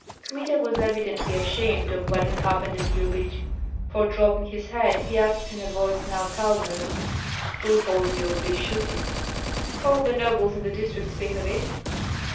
Kmita was evidently ashamed of what had happened at Lyubich; for dropping his head, he asked in a voice now calmer, "Who told you of this shooting?" "All the nobles in the district speak of it."